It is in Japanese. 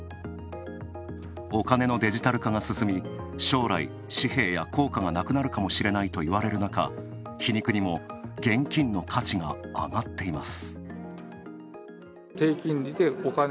お金のデジタル化が進み、将来、紙幣や硬貨がなくなるかもしれないといわれる中皮肉にも現金の価値が上がっています。